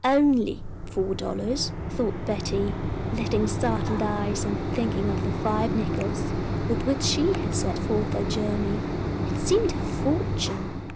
"Only four dollars," thought Betty, lifting startled eyes, and thinking of the five nickels with which she had set forth on her journey. It seemed a fortune.